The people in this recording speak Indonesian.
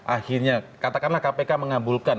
akhirnya katakanlah kpk mengabulkan